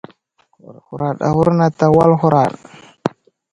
Huraɗ awurnat a wal huraɗ.